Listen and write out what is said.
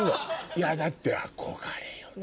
だって憧れよね。